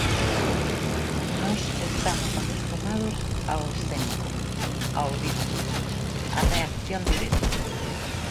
Nós estamos acostumados ao escénico, ao vivo, á reacción directa.